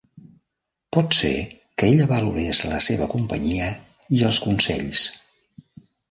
Pot ser que ella valorés la seva companyia i els consells.